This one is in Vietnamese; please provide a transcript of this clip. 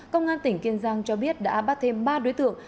công an tỉnh kiên giang cho biết đã bắt thêm ba đối tượng